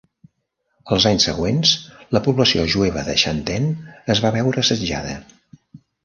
Els anys següents la població jueva de Xanten es va veure assetjada.